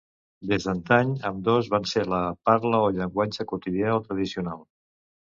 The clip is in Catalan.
Des d'antany ambdós van ser la parla o llenguatge quotidià o tradicional.